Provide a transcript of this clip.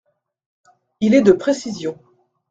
Il est de précision.